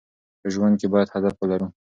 په ژوند کې باید هدف ولرو.